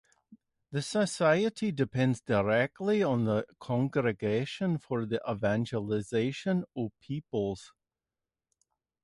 The society depends directly on the Congregation for the Evangelization of Peoples.